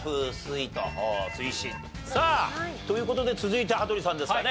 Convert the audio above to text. さあという事で続いて羽鳥さんですかね。